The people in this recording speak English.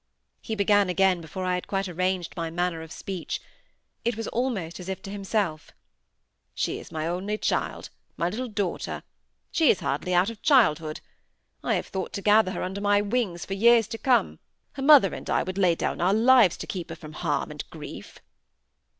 He began again before I had quite arranged my manner of speech. It was almost as if to himself,—"She is my only child; my little daughter! She is hardly out of childhood; I have thought to gather her under my wings for years to come her mother and I would lay down our lives to keep her from harm and grief."